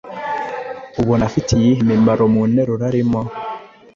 Ubona afite iyihe mimaro mu nteruro arimo?